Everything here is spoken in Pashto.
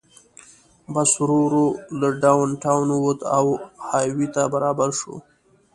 بس ورو ورو له ډاون ټاون ووت او های وې ته برابر شو.